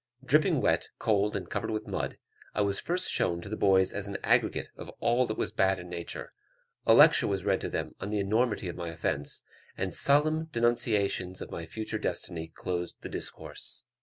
Dripping wet, cold, and covered with mud, I was first shown to the boys as an aggregate of all that was bad in nature; a lecture was read to them on the enormity of my offence, and solemn denunciations of my future destiny closed the discourse.